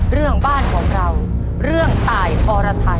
เรื่องบ้านของเราเรื่องตายอรไทย